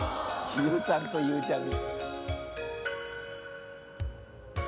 飯尾さんとゆうちゃみ。